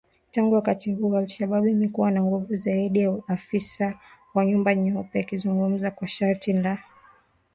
Tangu wakati huo al-Shabaab imekuwa na nguvu zaidi ya afisa wa nyumba nyeupe, akizungumza kwa sharti la kutotajwa jina ili aweze kuzungumzia uidhinishaji huo mpya.